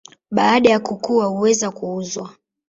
Baada ya kukua huweza kuuzwa.